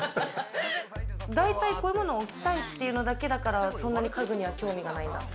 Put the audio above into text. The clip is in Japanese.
だいたいこういうものは置きたいっていうことだけだから、そんなに家具には興味ないな。